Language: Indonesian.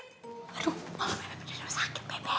aduh mama di rumah sakit bebe